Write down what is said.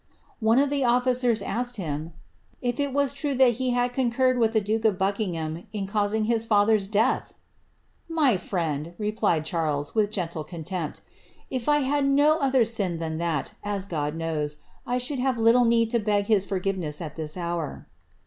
One of the officers aske him, ^ if it was true that he had concurred with the duke of Buckiq ham in causing his father's death ?"^ My friend," replied Charles, with gentle contempt, ^ if I had ■ other sin than that, as God knows, I should have little need to beg hi forgiveness at this hour."